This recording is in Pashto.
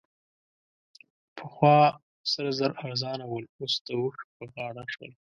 پخوا سره زر ارزانه ول؛ اوس د اوښ په غاړه شول.